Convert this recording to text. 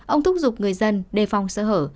ông thúc giục người dân đề phòng sở hở